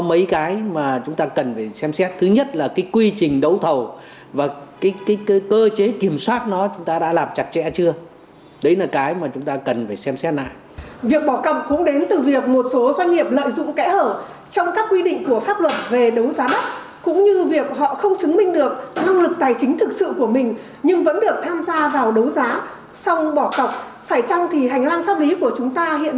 phải chăng thì hành lang pháp lý của chúng ta hiện nay quá lỏng lẻo thưa ông